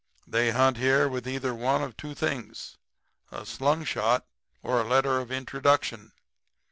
They hunt here with either one of two things a slungshot or a letter of introduction.